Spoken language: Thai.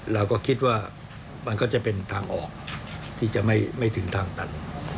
เราก็คิดว่ามันก็จะเป็นทางออกที่จะไม่ถึงทางตัน